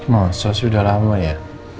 masa sih udah lama ya